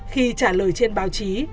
khi trả lời trên báo chí